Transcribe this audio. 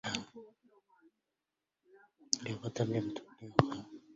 ويافا تُرجمتْ حتى النخاع